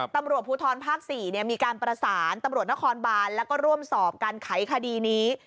ตำรวจภูทรภาค๔มีการประสานตำรวจนครบานแล้วก็ร่วมสอบการไขคดีนี้